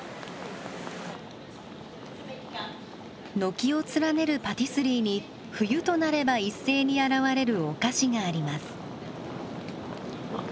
軒を連ねるパティスリーに冬となれば一斉に現れるお菓子があります。